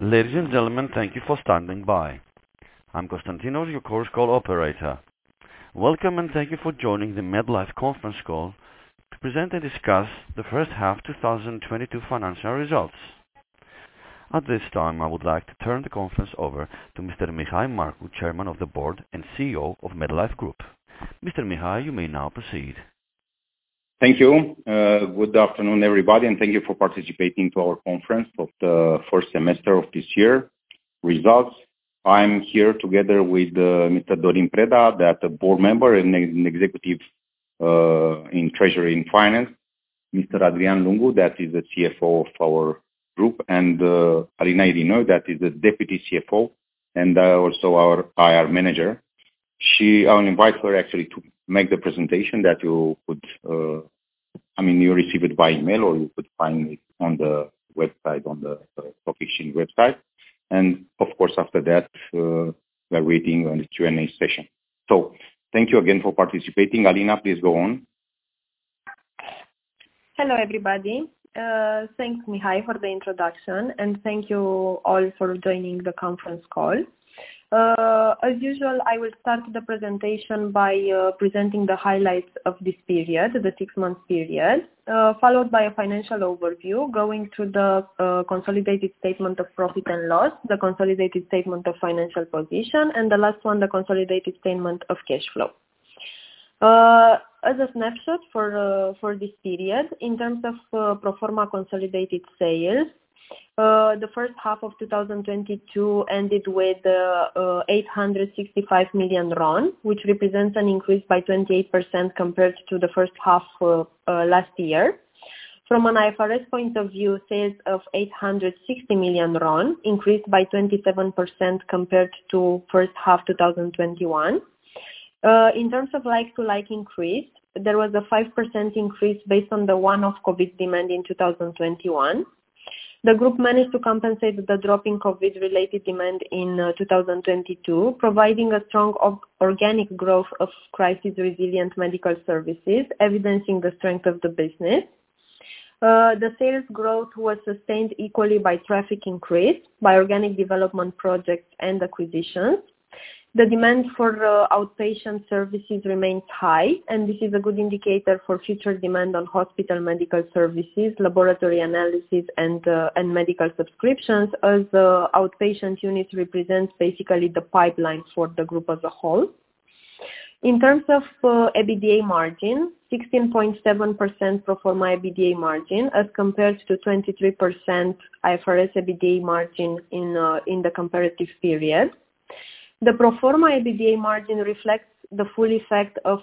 Ladies and gentlemen, thank you for standing by. I'm Constantinos, your Chorus Call operator. Welcome, and thank you for joining the MedLife conference call to present and discuss the first half 2022 financial results. At this time, I would like to turn the conference over to Mr. Mihai Marcu, Chairman of the Board and CEO of MedLife Group. Mr. Mihai, you may now proceed. Thank you. Good afternoon, everybody, and thank you for participating to our conference of the first semester of this year results. I'm here together with Mr. Dorin Preda, the Board member and executive in treasury and finance. Mr. Adrian Lungu, that is the CFO of our group, and Alina Irinoiu, that is the Deputy CFO and also our IR Manager. I'll invite her actually to make the presentation I mean you received by email, or you could find it on the website, on the MedLife website. Of course, after that, we are waiting on the Q&A session. Thank you again for participating. Alina, please go on. Hello, everybody. Thanks, Mihai, for the introduction, and thank you all for joining the conference call. As usual, I will start the presentation by presenting the highlights of this period, the six-month period, followed by a financial overview, going through the consolidated statement of profit and loss, the consolidated statement of financial position, and the last one, the consolidated statement of cash flow. As a snapshot for this period, in terms of pro forma consolidated sales, the first half of 2022 ended with RON 865 million, which represents an increase by 28% compared to the first half of last year. From an IFRS point of view, sales of RON 860 million increased by 27% compared to first half 2021. In terms of like-for-like increase, there was a 5% increase based on the one-off COVID demand in 2021. The group managed to compensate the drop in COVID-related demand in 2022, providing a strong organic growth of crisis-resilient medical services, evidencing the strength of the business. The sales growth was sustained equally by traffic increase, by organic development projects and acquisitions. The demand for outpatient services remains high, and this is a good indicator for future demand on hospital medical services, laboratory analysis and medical subscriptions, as outpatient unit represents basically the pipeline for the group as a whole. In terms of EBITDA margin, 16.7% pro forma EBITDA margin as compared to 23% IFRS EBITDA margin in the comparative period. The pro forma EBITDA margin reflects the full effect of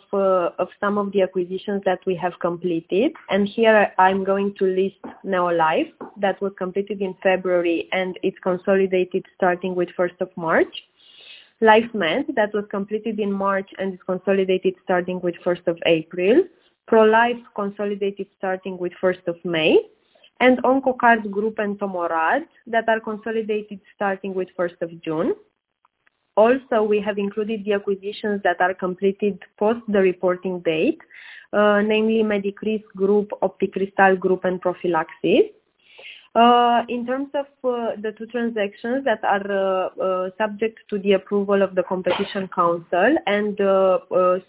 some of the acquisitions that we have completed. Here I'm going to list Neolife that was completed in February, and it's consolidated starting with first of March. Life Med that was completed in March and is consolidated starting with 1st of April. Pro Life consolidated starting with 1st of May. OncoCard Group and Tomoral that are consolidated starting with 1st of June. Also, we have included the acquisitions that are completed post the reporting date, namely Medicris Group, Opticristal Group, and Profilaxis. In terms of the two transactions that are subject to the approval of the Competition Council and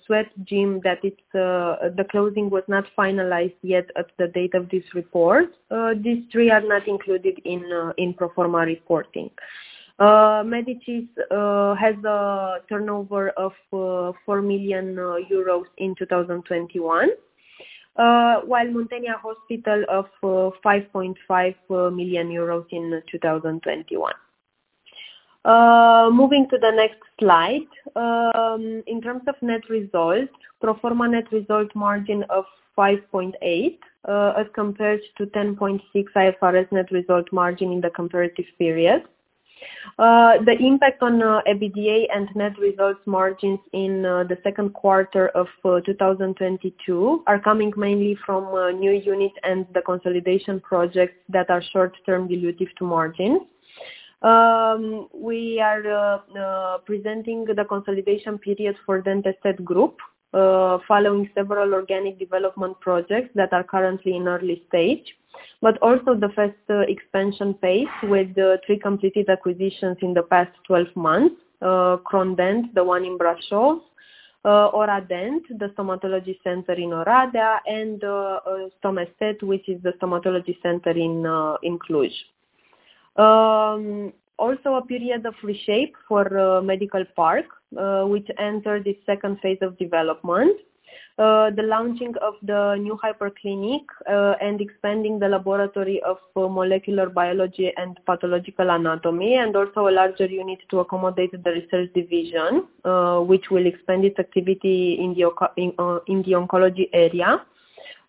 Sweat Concept that it's the closing was not finalized yet at the date of this report. These three are not included in pro forma reporting. Medicris has a turnover of 4 million euros in 2021. While Muntenia Hospital of 5.5 million euros in 2021. Moving to the next slide. In terms of net results, pro forma net result margin of 5.8% as compared to 10.6% IFRS net result margin in the comparative period. The impact on EBITDA and net results margins in the second quarter of 2022 are coming mainly from new unit and the consolidation projects that are short-term dilutive to margin. We are presenting the consolidation period for Dent Estet Group following several organic development projects that are currently in early stage. Also the fast expansion phase with the three completed acquisitions in the past 12 months. Krondent, the one in Brașov. Oradent, the stomatology center in Oradea. Stomestet, which is the stomatology center in Cluj. Also a period of reshape for Medical Park, which entered its second phase of development. The launching of the new Hyperclinic, and expanding the laboratory of molecular biology and pathological anatomy, and also a larger unit to accommodate the research division, which will expand its activity in the oncology area,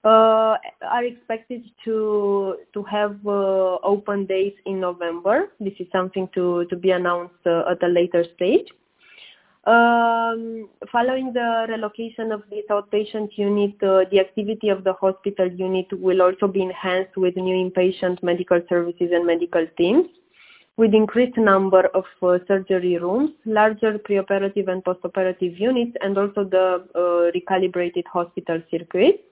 are expected to have open days in November. This is something to be announced at a later stage. Following the relocation of this outpatient unit, the activity of the hospital unit will also be enhanced with new inpatient medical services and medical teams with increased number of surgery rooms, larger preoperative and postoperative units, and also the recalibrated hospital circuit.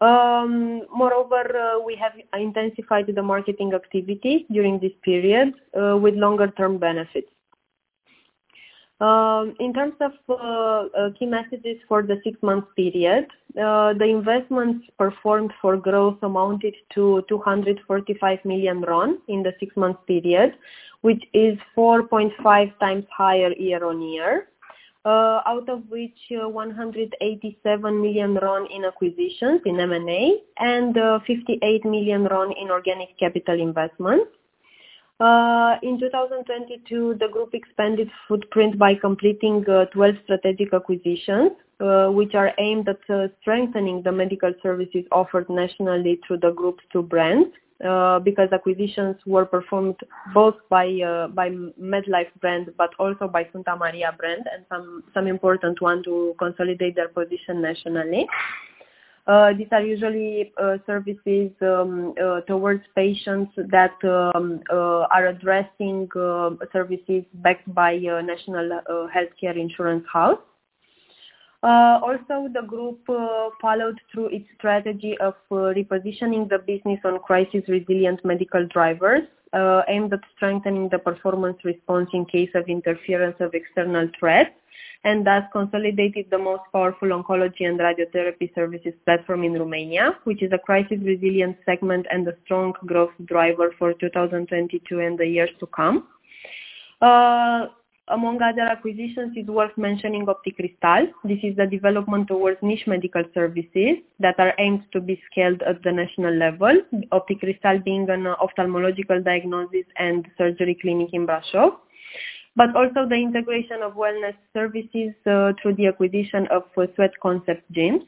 Moreover, we have intensified the marketing activities during this period with longer term benefits. In terms of key messages for the six-month period, the investments performed for growth amounted to RON 245 million in the six-month period, which is 4.5x higher year-on-year. Out of which RON 187 million in acquisitions in M&A, and RON 58 million in organic capital investments. In 2022, the group expanded footprint by completing 12 strategic acquisitions, which are aimed at strengthening the medical services offered nationally through the group two brands. Because acquisitions were performed both by MedLife brand, but also by Sfânta Maria brand and some important one to consolidate their position nationally. These are usually services towards patients that are addressing services backed by National Health Insurance House. Also the group followed through its strategy of repositioning the business on crisis resilient medical drivers aimed at strengthening the performance response in case of interference of external threats. Thus consolidated the most powerful oncology and radiotherapy services platform in Romania, which is a crisis resilient segment, and a strong growth driver for 2022 and the years to come. Among other acquisitions, it's worth mentioning Opticristal. This is the development towards niche medical services that are aimed to be scaled at the national level. Opticristal being an ophthalmological diagnosis and surgery clinic in Brașov. Also the integration of wellness services through the acquisition of Sweat Concept gyms.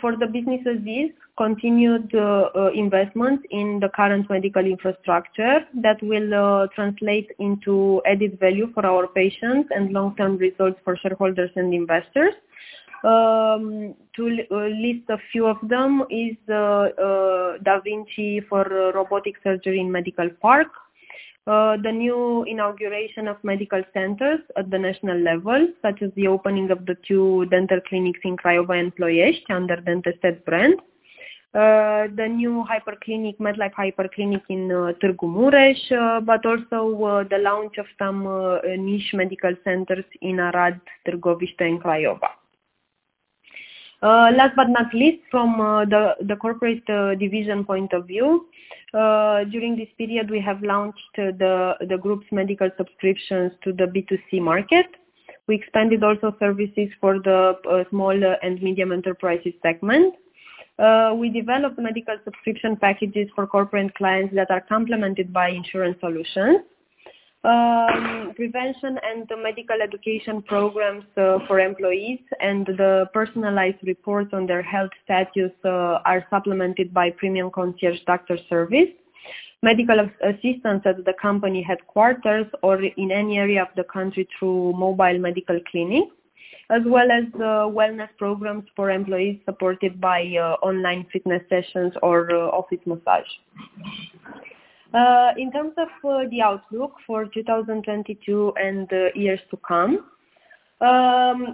For the business as is, continued investment in the current medical infrastructure that will translate into added value for our patients and long-term results for shareholders and investors. To list a few of them is da Vinci for robotic surgery in Medical Park. The new inauguration of medical centers at the national level, such as the opening of the two dental clinics in Craiova and Ploiești under Dent Estet brand. The new Hyperclinic, MedLife Hyperclinic in Târgu Mureș, but also the launch of some niche medical centers in Arad, Drobeta, and Craiova. Last but not least, from the corporate division point of view, during this period, we have launched the group's medical subscriptions to the B2C market. We expanded also services for the small and medium enterprises segment. We developed medical subscription packages for corporate clients that are complemented by insurance solutions. Prevention and medical education programs for employees, and the personalized reports on their health status are supplemented by premium concierge doctor service. Medical assistance at the company headquarters or in any area of the country through mobile medical clinics. As well as wellness programs for employees supported by online fitness sessions or office massage. In terms of the outlook for 2022 and the years to come,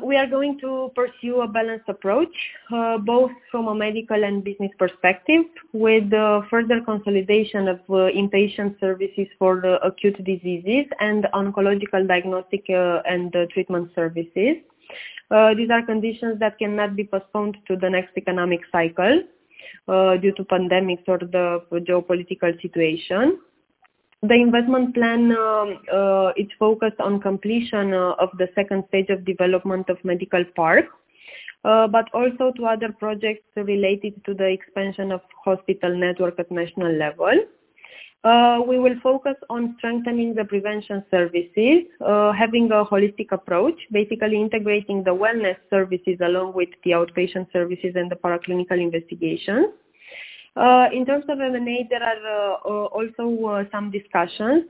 we are going to pursue a balanced approach both from a medical and business perspective, with further consolidation of inpatient services for the acute diseases and oncological diagnostic and treatment services. These are conditions that cannot be postponed to the next economic cycle due to pandemics or the geopolitical situation. The investment plan is focused on completion of the second stage of development of Medical Park, but also to other projects related to the expansion of hospital network at national level. We will focus on strengthening the prevention services, having a holistic approach, basically integrating the wellness services along with the outpatient services and the paraclinical investigation. In terms of M&A, there are also some discussions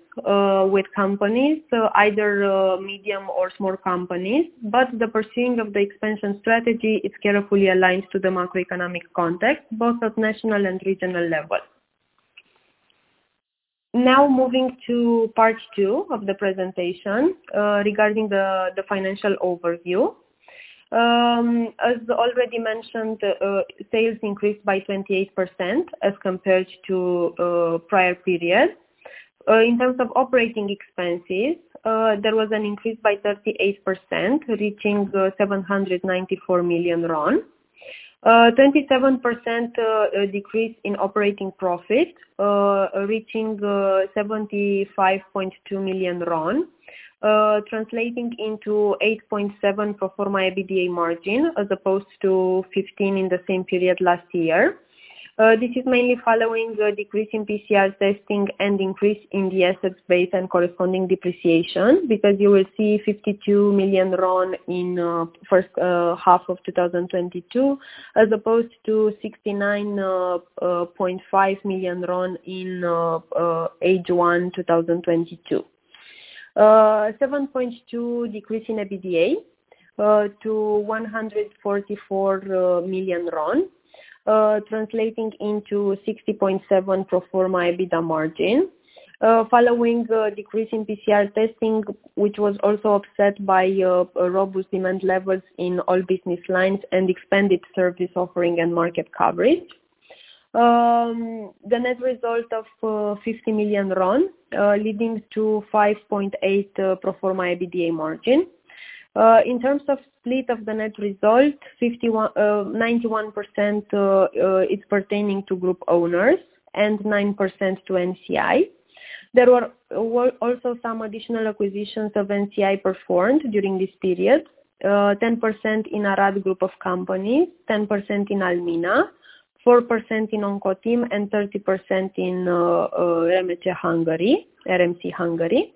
with companies, so either medium or small companies, but the pursuing of the expansion strategy is carefully aligned to the macroeconomic context, both at national and regional level. Now moving to part two of the presentation, regarding the financial overview. As already mentioned, sales increased by 28% as compared to prior periods. In terms of operating expenses, there was an increase by 38%, reaching RON 794 million. 27% decrease in operating profit, reaching RON 75.2 million, translating into 8.7% pro forma EBITDA margin, as opposed to 15% in the same period last year. This is mainly following a decrease in PCR testing and increase in the assets base and corresponding depreciation, because you will see RON 52 million in first half of 2022 as opposed to RON 69.5 million in H1 2022. 7.2% decrease in EBITDA to RON 144 million. Translating into 60.7% pro forma EBITDA margin, following a decrease in PCR testing, which was also offset by robust demand levels in all business lines and expanded service offering and market coverage. The net result of RON 50 million leading to 5.8% pro forma EBITDA margin. In terms of split of the net result, 91% is pertaining to group owners and 9% to NCI. There were also some additional acquisitions of NCI performed during this period. 10% in Arad group of companies, 10% in Almina, 4% in OncoTeam, and 30% in RMC Hungary.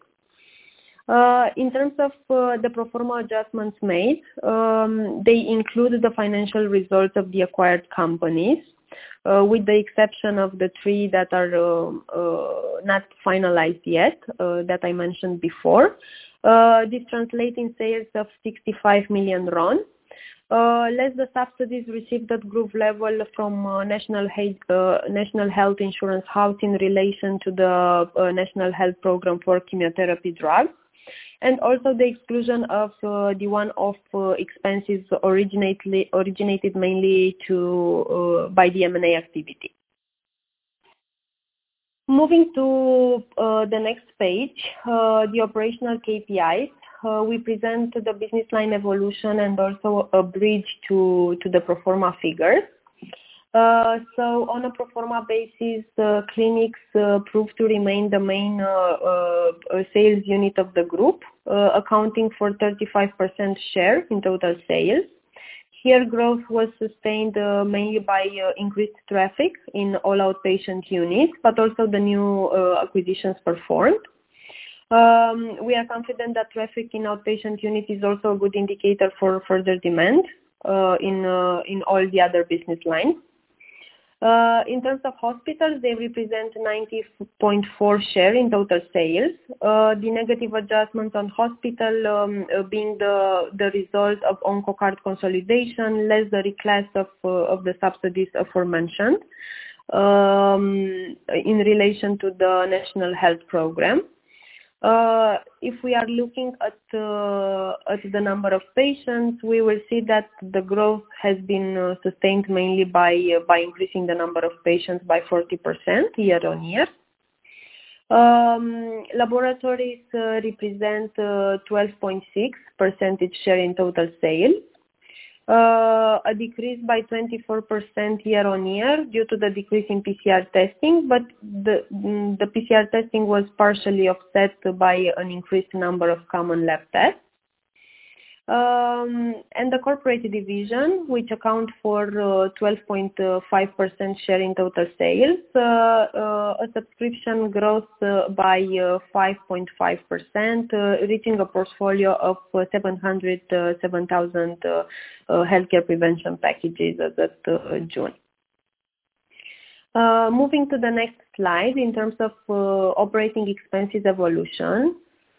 In terms of the pro forma adjustments made, they include the financial results of the acquired companies with the exception of the three that are not finalized yet that I mentioned before. This translates to sales of RON 65 million. Less the subsidies received at group level from National Health Insurance House in relation to the national health program for chemotherapy drugs, and also the exclusion of the one-off expenses originated mainly by the M&A activity. Moving to the next page, the operational KPIs. We present the business line evolution and also a bridge to the pro forma figures. On a pro forma basis, clinics prove to remain the main sales unit of the group, accounting for 35% share in total sales. Here growth was sustained mainly by increased traffic in all outpatient units, but also the new acquisitions performed. We are confident that traffic in outpatient unit is also a good indicator for further demand in all the other business lines. In terms of hospitals, they represent 90.4% share in total sales. The negative adjustments on hospitals being the result of OncoCard consolidation, less the reclass of the subsidies aforementioned in relation to the national health program. If we are looking at the number of patients, we will see that the growth has been sustained mainly by increasing the number of patients by 40% year-on-year. Laboratories represent 12.6% share in total sales. A decrease by 24% year-on-year due to the decrease in PCR testing, but the PCR testing was partially offset by an increased number of common lab tests. The corporate division, which account for 12.5% share in total sales. A subscription growth by 5.5%, reaching a portfolio of 707,000 healthcare prevention packages as at June. Moving to the next slide in terms of operating expenses evolution.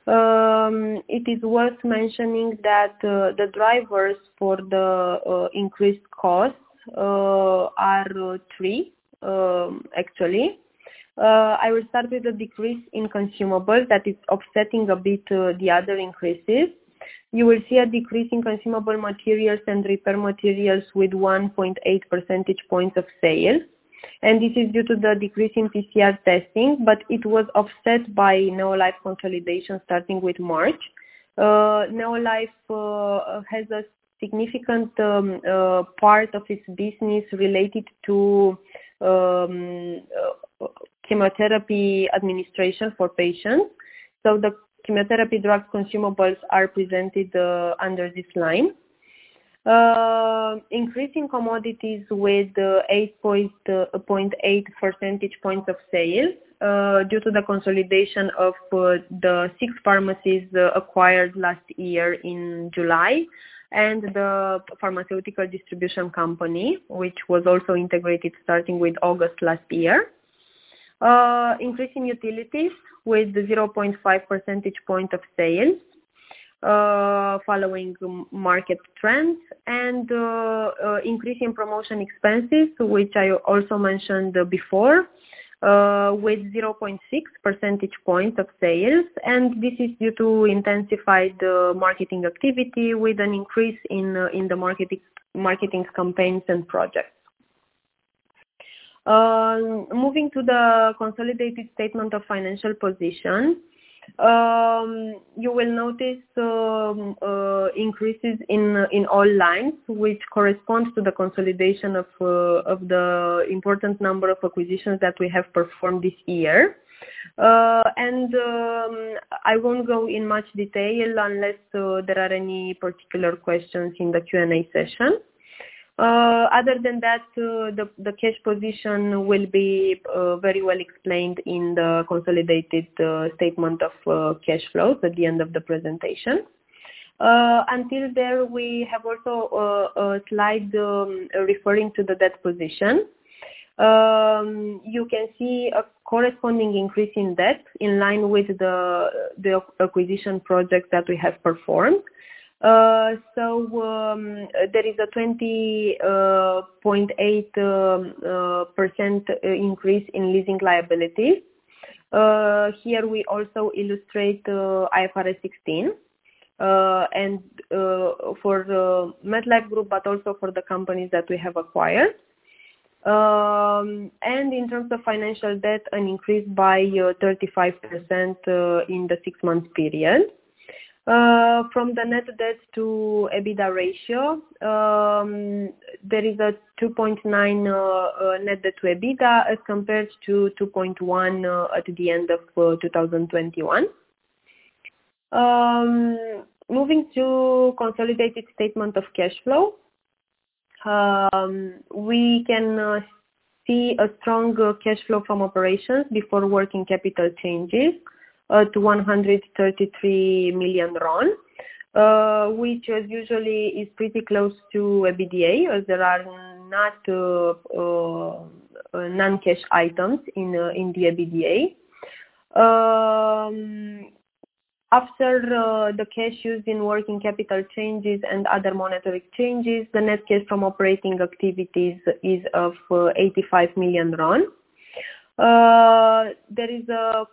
It is worth mentioning that the drivers for the increased costs are three, actually. I will start with a decrease in consumables that is offsetting a bit the other increases. You will see a decrease in consumable materials and repair materials with 1.8 percentage points of sales, and this is due to the decrease in PCR testing, but it was offset by Neolife consolidation starting with March. Neolife has a significant part of its business related to chemotherapy administration for patients. The chemotherapy drug consumables are presented under this line. Increasing commodities with 8.8 percentage points of sales due to the consolidation of the six pharmacies acquired last year in July. The pharmaceutical distribution company, which was also integrated starting with August last year. Increasing utilities with 0.5 percentage point of sales following market trends and increasing promotion expenses, which I also mentioned before, with 0.6 percentage points of sales. This is due to intensified marketing activity with an increase in the marketing campaigns and projects. Moving to the consolidated statement of financial position. You will notice increases in all lines, which corresponds to the consolidation of the important number of acquisitions that we have performed this year. I won't go in much detail unless there are any particular questions in the Q&A session. Other than that, the cash position will be very well explained in the consolidated statement of cash flows at the end of the presentation. Until then, we have also a slide referring to the debt position. You can see a corresponding increase in debt in line with the acquisition projects that we have performed. There is a 20.8% increase in leasing liability. Here we also illustrate IFRS 16 and for the MedLife Group, but also for the companies that we have acquired. In terms of financial debt, an increase by 35% in the six-month period. From the net debt to EBITDA ratio, there is a 2.9% net debt to EBITDA as compared to 2.1% at the end of 2021. Moving to consolidated statement of cash flow. We can see a stronger cash flow from operations before working capital changes to RON 133 million, which as usually is pretty close to EBITDA, as there are not non-cash items in the EBITDA. After the cash used in working capital changes and other monetary changes, the net cash from operating activities is RON 85 million. There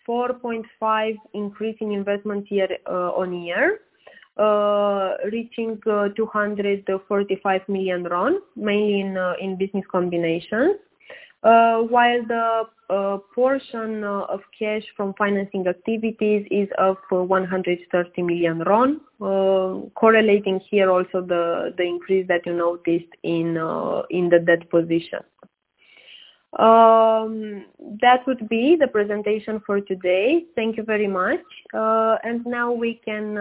is a 4.5% increase in investment year-on-year, reaching RON 245 million, mainly in business combinations. While the portion of cash from financing activities is up to RON 130 million, correlating here also the increase that you noticed in the debt position. That would be the presentation for today. Thank you very much. Now we can.